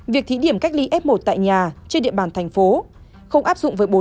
việc thí điểm cách ly f một tại nhà trên địa bàn thành phố không áp dụng với bốn